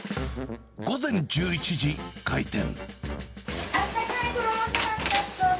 午前１１時、開店。